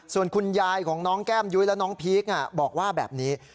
ส่วนคุณยายของน้องแก้มยุ้ยและน้องพีคบอกว่าแบบนี้